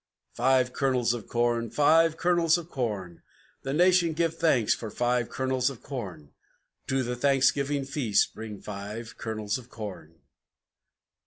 Five Kernels of Corn! Five Kernels of Corn! The nation gives thanks for Five Kernels of Corn! To the Thanksgiving Feast bring Five Kernels of Corn!